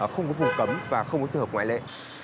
không có phùng cấm và không có sự hợp ngoại lệ